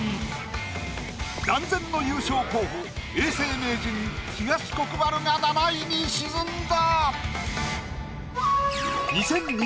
断然の優勝候補永世名人東国原が７位に沈んだ！